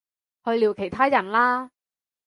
去聊其他人啦